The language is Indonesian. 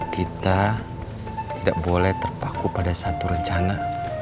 kita tidak boleh terpaku pada satu rencana